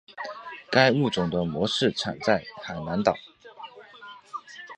该物种的模式产地在海南岛。